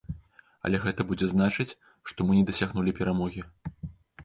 Але гэта будзе значыць, што мы не дасягнулі перамогі.